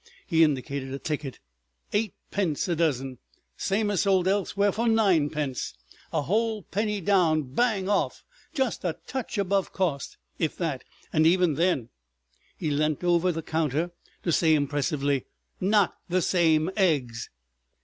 He indicated a ticket. "'Eightpence a dozen—same as sold elsewhere for ninepence.' A whole penny down, bang off! Just a touch above cost—if that—and even then———" He leant over the counter to say impressively, "_Not the same eggs!